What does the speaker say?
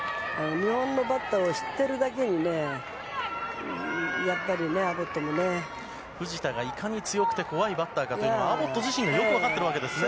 日本のバッターを知ってるだけに藤田がいかに強くて怖いバッターかというのは、アボット自身がよく分かってるわけですね。